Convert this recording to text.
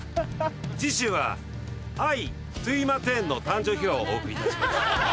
次週は「あいとぅいまてん」の誕生秘話をお送りいたします。